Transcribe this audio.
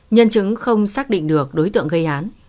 nhân chứng không xác định được đối tượng gây án